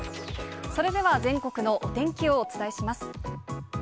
それでは全国のお天気をお伝えします。